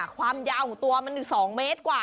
ความยาวของตัวมัน๒เมตรกว่า